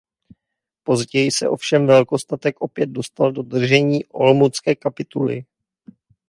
Později se ovšem velkostatek opět dostal do držení Olomoucké kapituly.